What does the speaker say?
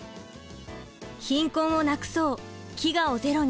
「貧困をなくそう」「飢餓をゼロに」